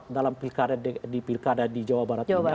dalam di pilkada di jawa barat ini